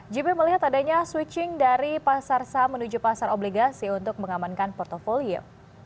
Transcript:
jp melihat adanya switching dari pasar saham menuju pasar obligasi untuk mengamankan portfolio